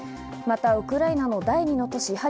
またウクライナ第２の都市